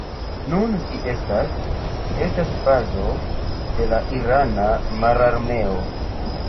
Nun ĝi estas ĝi estas bazo de la Irana Mararmeo.